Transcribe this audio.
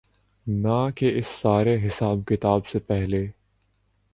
نہ کہ اس سارے حساب کتاب سے پہلے۔